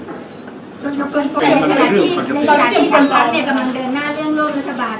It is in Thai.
ในสถานที่ทำภักดิ์กำลังเดินหน้าเรื่องโลกรัฐบาล